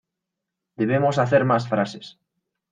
Debemos hacer más frases.